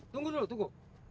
tunggu dulu tunggu